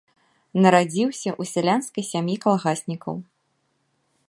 Нарадзіўся ў сялянскай сям'і калгаснікаў.